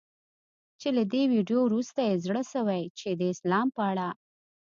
چي له دې ویډیو وروسته یې زړه سوی چي د اسلام په اړه